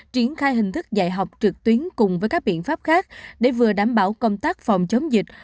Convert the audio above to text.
triển khai hình thức dạy học trực tuyến cùng với các biện pháp khác để vừa đảm bảo công tác phòng chống dịch